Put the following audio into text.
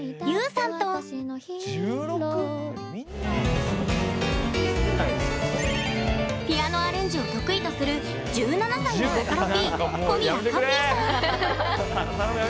さんとピアノアレンジを得意とする１７歳のボカロＰ小宮かふぃーさん。